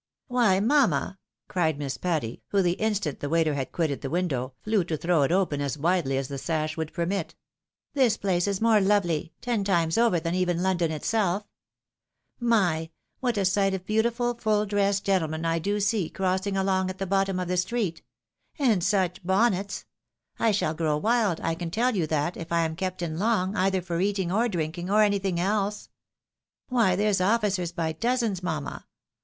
"Why, mamma!" cried Miss Patty, who the instant the waiter had quitted the window, flew to throw it open as widely as the sash would permit, "this place is more lovely, ten times over, than even London itself ! My ! what a sight of beautiful full dressed gentlemen I do see crossing along at the bottom of the street ! And such bonnets ! I shall grow wild, I can tell you that, if I am kept in long, either for eating, or drinking, or anything else. Why there's oflBcers by dozens, mamma